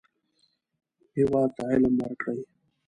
هېواد ته علم ورکړئ